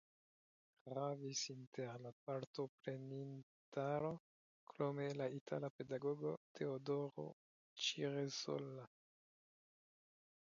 Gravis inter la partoprenintaro krome la itala pedagogo Teodoro Ciresola.